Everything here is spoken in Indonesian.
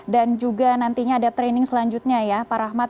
dan juga nantinya ada training selanjutnya ya pak rahmat